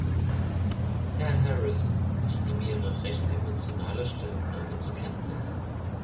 Herr Harrison, ich nehme Ihre recht emotionale Stellungnahme zur Kenntnis.